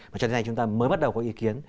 và cho đến nay chúng ta mới bắt đầu có ý kiến